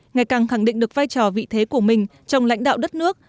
ngày càng khẳng định được vai trò vị thế của mình trong lãnh đạo đất nước